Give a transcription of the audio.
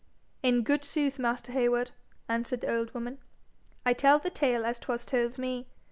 'In good sooth, master Heywood,' answered the old woman, 'I tell the tale as 'twas told to me.